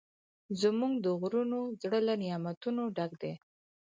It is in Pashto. زموږ د غرونو زړه له نعمتونو ډک دی.